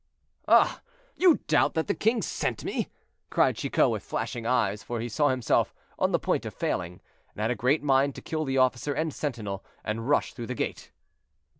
"Ah! you doubt that the king sent me?" cried Chicot, with flashing eyes, for he saw himself on the point of failing, and had a great mind to kill the officer and sentinel, and rush through the gate.